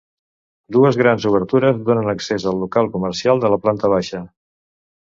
Dues grans obertures donen accés al local comercial de la planta baixa.